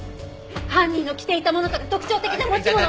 犯人の着ていたものとか特徴的な持ち物とか！